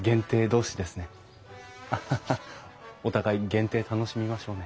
お互い限定楽しみましょうね。